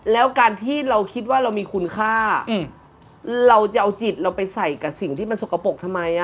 แล้วการที่เราคิดว่าเรามีคุณค่าเราจะเอาจิตเราไปใส่กับสิ่งที่มันสกปรกทำไม